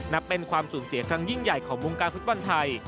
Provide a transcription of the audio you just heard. นับเป็นความสูญเสียครั้งยิ่งใหญ่ของวงการฟุตบอลไทย